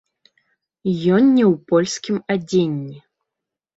Ён не ў польскім адзенні.